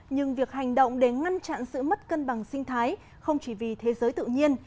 nhưng việc hành động để ngăn chặn sự mất cân bằng sinh thái không chỉ vì thế giới tự nhiên